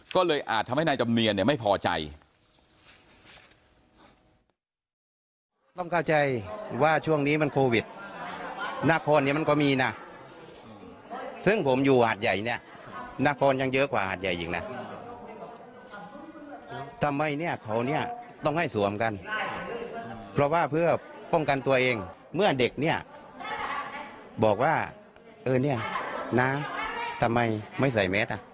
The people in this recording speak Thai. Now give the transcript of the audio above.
ก็เลยอาจทำให้นายจำเนียนไม่พอใจ